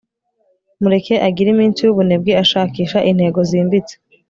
mureke agire iminsi yubunebwe ashakisha intego zimbitse